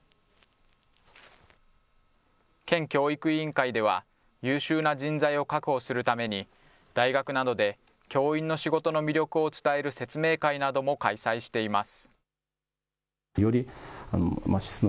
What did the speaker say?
県教育委員会では、優秀な人材を確保するために、大学などで教員の仕事の魅力を伝える説明会なども開催しています。